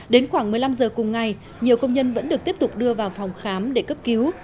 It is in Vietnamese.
đến khoảng một mươi năm giờ cùng ngày nhiều công nhân vẫn được tiếp tục đưa vào phòng khám để cấp cứu